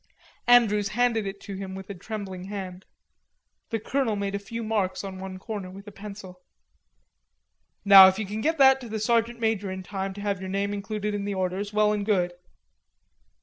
Andrews handed it to him with a trembling hand. The colonel made a few marks on one corner with a pencil. "Now if you can get that to the sergeant major in time to have your name included in the orders, well and good."